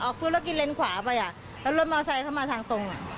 ฟื้นแล้วกินเลนขวาไปอ่ะแล้วรถมอไซค์เข้ามาทางตรงอ่ะ